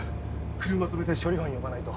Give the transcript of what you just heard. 車止めて処理班呼ばないと。